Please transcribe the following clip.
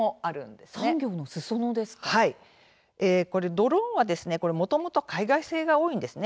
ドローンはもともと海外製が多いんですね。